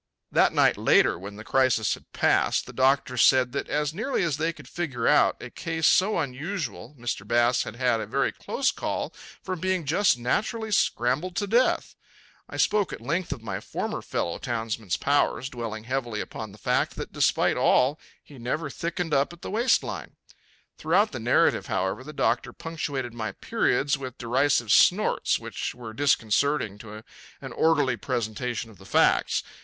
That night later when the crisis had passed the doctors said that as nearly as they could figure out a case so unusual, Mr. Bass had had a very close call from being just naturally scrambled to death. I spoke at length of my former fellow townsman's powers, dwelling heavily upon the fact that, despite all, he never thickened up at the waistline. Throughout the narrative, however, the doctor punctuated my periods with derisive snorts which were disconcerting to an orderly presentation of the facts.